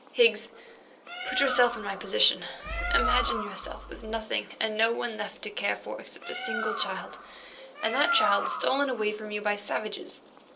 Higgs, put yourself in my position. Imagine yourself with nothing and no one left to care for except a single child, and that child stolen away from you by savages.